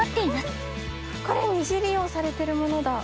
これ二次利用されてるものだ。